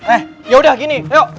eh yaudah gini ayo